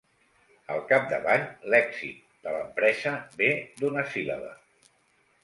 Al capdavall, l'èxit de l'empresa ve d'una síl·laba.